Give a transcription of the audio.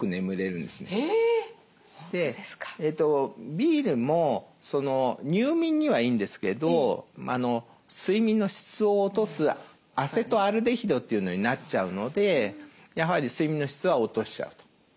ビールも入眠にはいいんですけど睡眠の質を落とすアセトアルデヒドというのになっちゃうのでやはり睡眠の質は落としちゃうと。